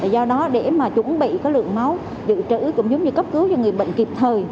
do đó để chuẩn bị lượng máu dự trữ cũng giống như cấp cứu cho người bệnh kịp thời